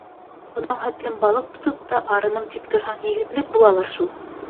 Бынау хәтлем балыҡ тотоп та, арыным тип торһаң, егетлек булалыр шул!